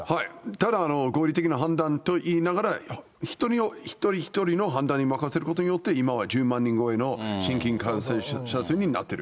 ただ、合理的な判断と言いながら一人一人の判断に任せることによって、今は１０万人超えの新規感染者数になってる。